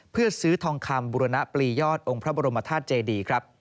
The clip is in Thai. เพื่อซื้อทองคำบุรณปลียอดองค์พระบรมธาตุเจดีครับ